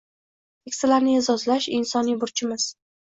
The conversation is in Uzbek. Keksalarni e’zozlash – insoniy burchimiz